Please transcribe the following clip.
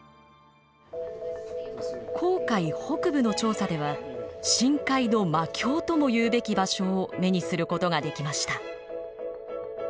紅海北部の調査では深海の魔境ともいうべき場所を目にすることができました。